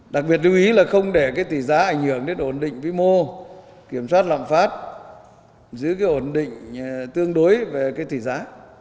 đặc biệt lưu ý là không để cái tỷ giá ảnh hưởng đến ổn định vĩ mô kiểm soát lạm phát giữ cái ổn định tương đối về cái tỷ giá